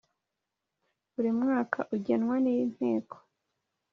buri mwaka ugenwa n inteko